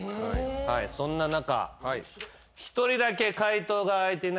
そんな中。